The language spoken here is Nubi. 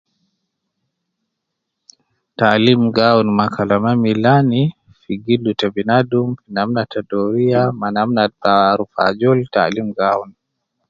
Taalim gi awun ma kalama milani fi gildu te binadum Naman te doriya ma namna te aruf ajol taalim gi awun